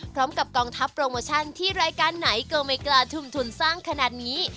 กองทัพโปรโมชั่นที่รายการไหนก็ไม่กล้าทุ่มทุนสร้างขนาดนี้